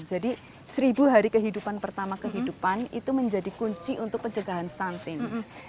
jadi seribu hari kehidupan pertama kehidupan itu menjadi kunci untuk pencegahan stunting